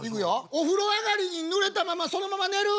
お風呂上がりにぬれたままそのまま寝る！